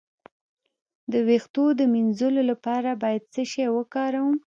د ویښتو د مینځلو لپاره باید څه شی وکاروم؟